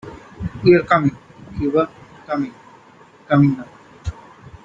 We are coming, Cuba, coming; coming now!